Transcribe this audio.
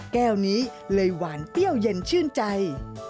แก้วนี้เลยหวานเปรี้ยวเย็นชื่นใจ